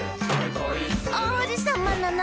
「おうじさまなの！」